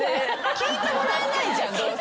聞いてもらえないじゃんどうせ。